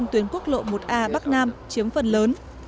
năm tuyến quốc lộ một a bắc nam chiếm phần lớn